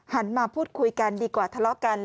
มาพูดคุยกันดีกว่าทะเลาะกัน